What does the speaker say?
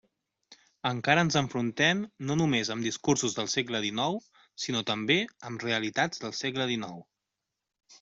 Encara ens enfrontem no només amb discursos del segle dinou, sinó també amb realitats del segle dinou.